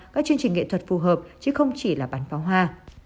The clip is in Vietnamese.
các chương trình nghệ thuật phù hợp chứ không chỉ là bán pháo hoa